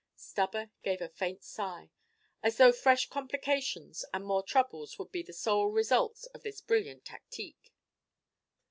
Stubber gave a faint sigh, as though fresh complications and more troubles would be the sole results of this brilliant tactique.